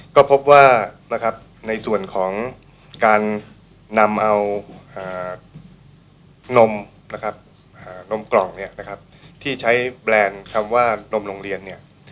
ก็พบว่าในส่วนของการนำเอานมกล่องที่ใช้แบรนด์คำว่านมโรงเรียน